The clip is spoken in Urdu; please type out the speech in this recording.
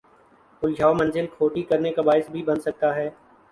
الجھاؤ منزل کھوٹی کرنے کا باعث بھی بن سکتا ہے۔